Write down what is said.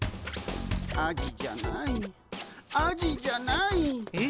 「アジじゃないアジじゃない」え？